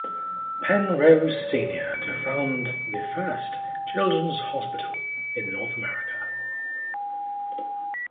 Penrose Senior to found the first children's hospital in North America.